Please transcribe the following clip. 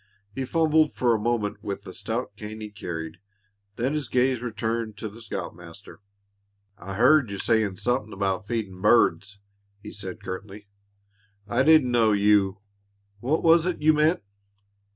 He fumbled for a moment with the stout cane he carried; then his gaze returned to the scoutmaster. "I heard you sayin' somethin' about feedin' birds," he said curtly. "I didn't know you What was it you meant?"